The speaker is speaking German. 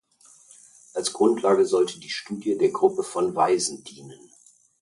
Als Grundlage sollte die Studie der Gruppe von Weisen dienen.